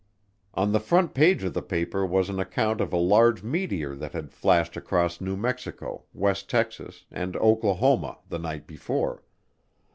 On the front page of the paper was an account of a large meteor that had flashed across New Mexico, west Texas, and Oklahoma the night before.